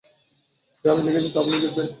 যা আমি দেখেছি তা আপনিও দেখবেন।